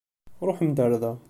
Ṛuḥem-d ar da.